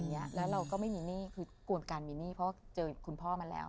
เพราะฉะนั้นเราก็ไม่มีหนี้คือกวนการมีหนี้เพราะเจอคุณพ่อมาแล้ว